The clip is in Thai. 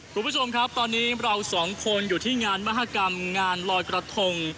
คุณผู้ชมครับตอนนี้เราสองคนอยู่ที่งานมหากรรมงานลอยกระทง